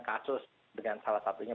kasus dengan salah satunya